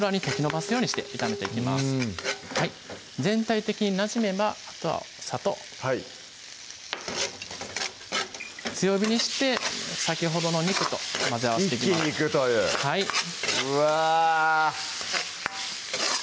全体的になじめばあとは砂糖はい強火にして先ほどの肉と混ぜ合わせて一気にいくといううわ！